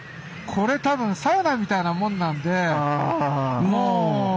これ多分サウナみたいなもんなんで。